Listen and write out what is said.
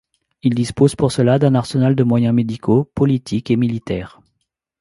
Il dispose pour cela un arsenal de moyens médicaux, politiques et militaires.